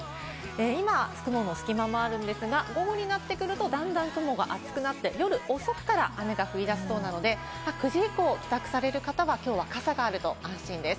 今、雲の隙間もあるんですが、午後になってくると段々雲が厚くなって、夜遅くから雨が降り出しそうなので、９時以降に帰宅される方は、今日は傘があると安心です。